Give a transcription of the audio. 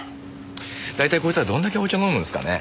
大体こいつらどんだけお茶飲むんですかねぇ。